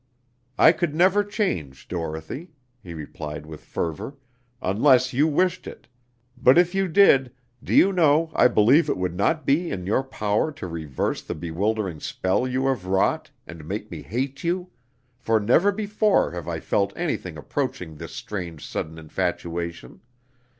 "I could never change, Dorothy," he replied with fervor, "unless you wished it; but if you did, do you know I believe it would not be in your power to reverse the bewildering spell you have wrought, and make me hate you, for never before have I felt anything approaching this strange sudden infatuation.